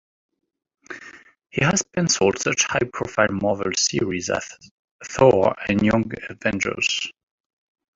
He has pencilled such high-profile Marvel series as "Thor" and "Young Avengers".